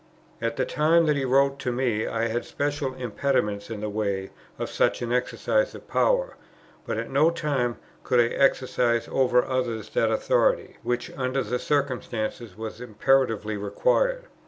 At the time that he wrote to me, I had special impediments in the way of such an exercise of power; but at no time could I exercise over others that authority, which under the circumstances was imperatively required.